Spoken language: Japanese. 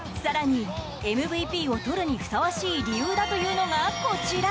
更にＭＶＰをとるにふさわしい理由だというのがこちら。